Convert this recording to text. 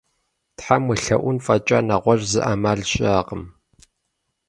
Тхьэм уелъэӀун фӀэкӀа, нэгъуэщӀ зы Ӏэмал щыӏэкъым.